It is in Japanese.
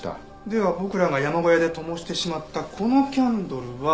では僕らが山小屋でともしてしまったこのキャンドルは。